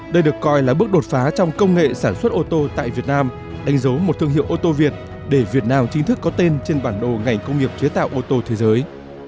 đây được coi là bước đột phá trong công nghệ sản xuất ô tô tại việt nam đánh dấu một thương hiệu ô tô việt để việt nam chính thức có tên trên bản đồ ngành công nghiệp chế tạo ô tô thế giới